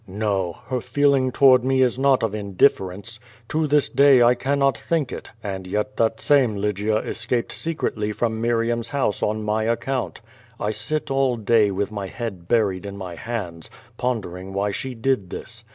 No! Her feeling toward me is not of indifference. To this day I cannot think it, and yet that same Lygia escaped secretly from Miriam's house on my account. I sit all day with my head buried in my hands, pondering why she did this.